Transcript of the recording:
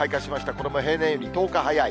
これも平年より１０日早い。